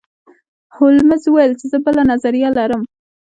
هولمز وویل چې زه بله نظریه لرم.